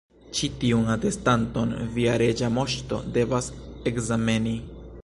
Ĉi tiun atestanton via Reĝa Moŝto devas ekzameni.